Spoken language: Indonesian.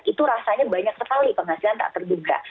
itu rasanya banyak sekali penghasilan tak terduga